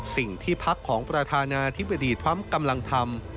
สิ่งที่พักของประธานาธิบดีทรัมป์กำลังทำ